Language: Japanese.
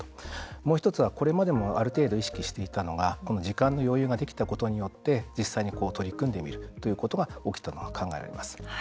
もう一つは、これまでもある程度、意識していたのが時間の余裕ができたことによって実際に取り組んでみるということが起きたと考えられます。